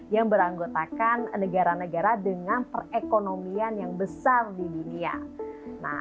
yang beranggotakan negara negara dengan perekonomian yang besar di dunia